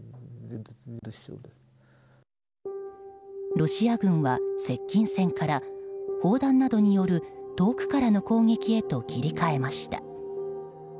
ロシア軍は、接近戦から砲弾などによる遠くからの攻撃へと切り替えました。